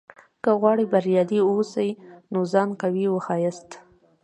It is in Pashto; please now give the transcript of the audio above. که غواړې بریالی واوسې؛ نو ځان قوي وښیاست!